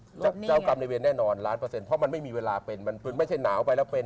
เจ้ากรรมในเวรแน่นอนล้านเปอร์เซ็นเพราะมันไม่มีเวลาเป็นมันไม่ใช่หนาวไปแล้วเป็น